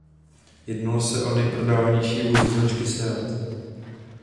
Jednalo se o nejprodávanější vůz značky Seat.